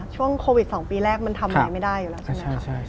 ช่วงโควิด๒ปีแรกไม่ได้อยู่แล้ว